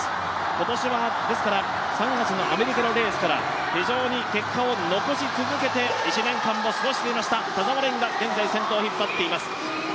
今年は３月のアメリカのレースから非常に結果を残し続けて１年間を過ごしていました、田澤廉が現在先頭を引っ張っています。